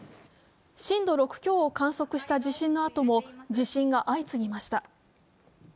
震度６強を観測した地震のあとも地震が相次ぎました。